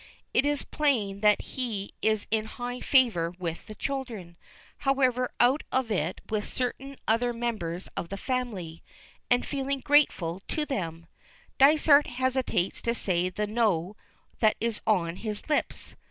It is plain that he is in high favor with the children, however out of it with a certain other member of the family and feeling grateful to them, Dysart hesitates to say the "No" that is on his lips.